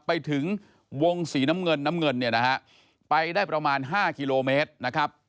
ไปถึงวงสีน้ำเงินน้ำเงินเนี่ยนะฮะไปได้ประมาณ๕กิโลเมตรนะครับ